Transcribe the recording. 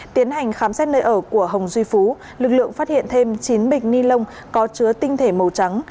tiến hành khám xét nơi ở của hồng duy phú lực lượng phát hiện thêm chín bịch ni lông có chứa tinh thể màu trắng